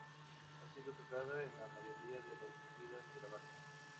Ha sido tocada en la mayoría de las giras de la banda.